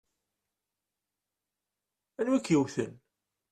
Anwa i k-yewwten?